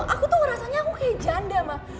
aku tuh rasanya kayak janda mak